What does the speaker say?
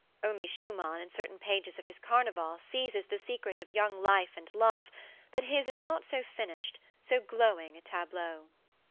Only Schumann in certain pages of his "Carneval" seizes the secret of young life and love, but his is not so finished, so glowing a tableau.